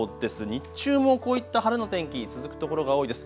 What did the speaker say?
日中もこういった晴れの天気、続く所が多いです。